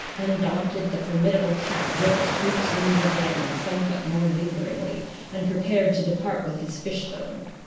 Undaunted, the formidable cat raked Duke's nose again, somewhat more lingeringly, and prepared to depart with his fishbone.